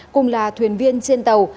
cùng là thuyền viên trên tàu